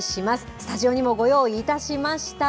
スタジオにもご用意いたしました。